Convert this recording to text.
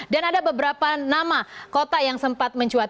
dan ada beberapa nama kota yang sempat mencuat